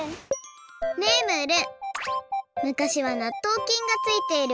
ねえムール！